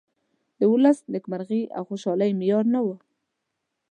د ولس نیمکرغي او خوشالي معیار نه ؤ.